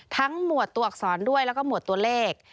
หมวดตัวอักษรด้วยแล้วก็หมวดตัวเลข